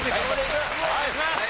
お願いします！